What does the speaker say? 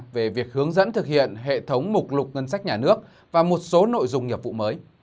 về việc hướng dẫn thực hiện hệ thống mục lục ngân sách nhà nước và một số nội dung nghiệp vụ mới